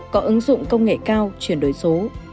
có ứng dụng công nghệ cao chuyển đổi số